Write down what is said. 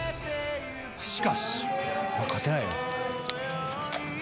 しかし。